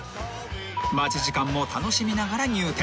［待ち時間も楽しみながら］